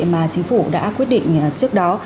mà chính phủ đã quyết định trước đó